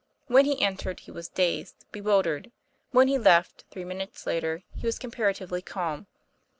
When he entered, he was dazed, bewil dered; when he left, three minutes later, he was comparatively calm.